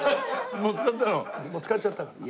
もう使っちゃったから。